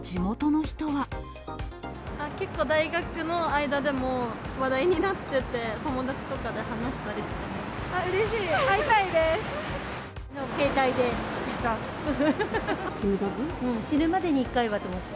結構、大学の間でも話題になってて、友達とかで話したりしてます。